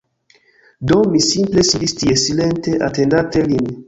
Do, mi simple sidis tie, silente, atendante lin.